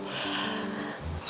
kamu harus selalu inget